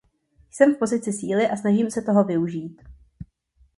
Jsem v pozici síly a snažím se toho využít.